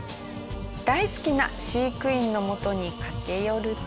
大好きな飼育員のもとに駆け寄ると。